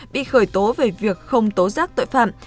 bị khởi tố về việc không tố giác tội phạm